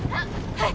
はい！